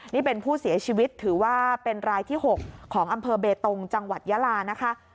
นี่เป็นผู้เสียชีวิตถือว่าเป็นรายที่๖ของอำเภอเบตงจังหวัดยาลานะคะ